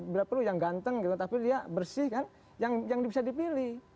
berapa perlu yang ganteng tapi bersih kan yang bisa dipilih